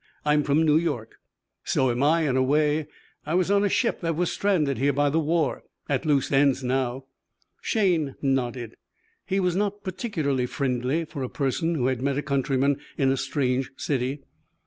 I'm from New York." "So am I, in a way. I was on a ship that was stranded here by the war. At loose ends now." Shayne nodded. He was not particularly friendly for a person who had met a countryman in a strange city.